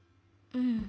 うん。